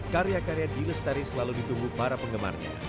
karya karya d lestari selalu ditunggu para penggemarnya